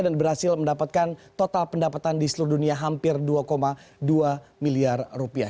dan berhasil mendapatkan total pendapatan di seluruh dunia hampir dua dua miliar rupiah